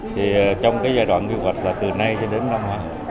thì trong cái giai đoạn quy hoạch là từ nay cho đến năm hai nghìn hai mươi